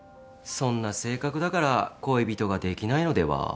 そんな性格だから恋人が出来ないのでは？